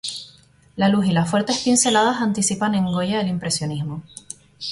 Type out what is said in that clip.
La luz y las fuertes pinceladas anticipan en Goya el impresionismo.